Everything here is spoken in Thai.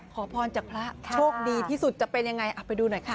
ขอพรจากพระโชคดีที่สุดจะเป็นยังไงเอาไปดูหน่อยค่ะ